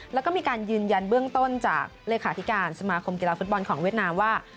แล้วก็มีการยืนยันเบื้องต้นจากเลขาธิการสมาคมกีฬาฟุตบอลของเวียดนามว่า